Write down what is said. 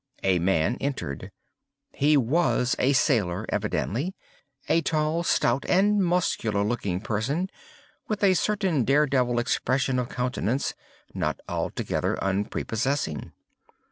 A man entered. He was a sailor, evidently,—a tall, stout, and muscular looking person, with a certain dare devil expression of countenance, not altogether unprepossessing.